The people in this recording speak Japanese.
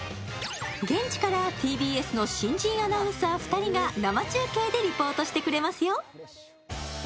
現地からＴＢＳの新人アナウンサー２人が生中継でリポートしてくれますよ。